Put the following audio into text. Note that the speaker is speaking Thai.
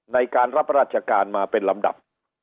ในการรับราชการมาเป็นลำดับ